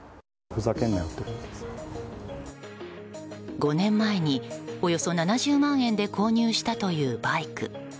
５年前に、およそ７０万円で購入したというバイク。